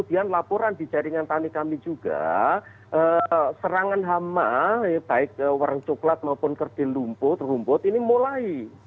dan laporan di jaringan tani kami juga serangan hama baik warna coklat maupun kerdil rumput ini mulai